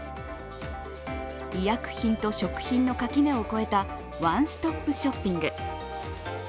医薬品と食品の垣根を超えたワンストップショッピング。